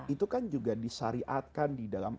itu kan juga disyariatkan di dalam